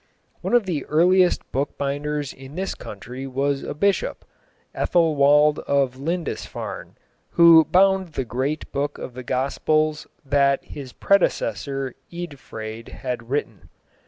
One of the earliest bookbinders in this country was a bishop, Ethilwold of Lindisfarne, who bound the great Book of the Gospels that his predecessor Eadfrid had written.